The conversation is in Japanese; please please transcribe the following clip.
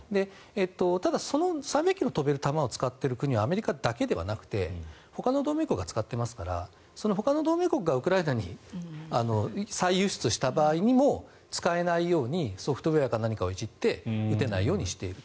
ただ、その３００ｋｍ飛べる弾を使っている国はアメリカだけじゃなくてほかの同盟国は使っていますからほかの同盟国がウクライナに再輸出した場合にも使えないようにソフトウェアか何かをいじって撃てないようにしていると。